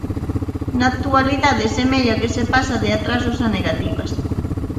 Na actualidade semella que se pasa de atrasos a negativas.